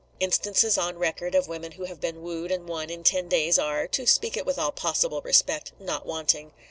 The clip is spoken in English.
Instances on record of women who have been wooed and won in ten days are to speak it with all possible respect not wanting.